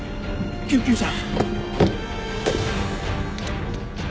救急車！